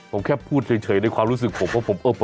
ผมแค่พูดเฉยในความรู้สึกผมว่าผมเออ